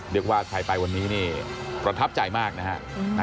เรียกว่าถ่ายไปวันนี้ประทับใจมากนะครับ